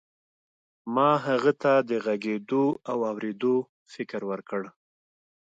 ما هغه ته د غږېدو او اورېدو فکر ورکړ.